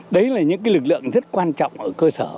đấy là những lực lượng rất quan trọng ở cơ sở